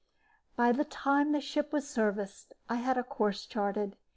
By the time the ship was serviced, I had a course charted.